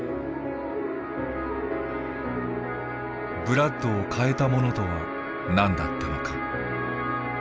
ブラッドを変えたものとは何だったのか。